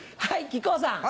はい。